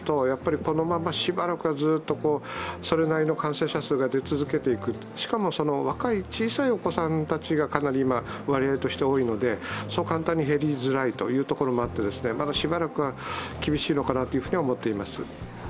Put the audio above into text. やっぱりこのまましばらくはずっとそれなりの感染者数が出続けていく、しかも、若い、小さいお子さんたちがかなり今、割合として多いのでそう簡単に減りづらいというところもあって、まだしばらくは厳しいのかなというふうには思っています。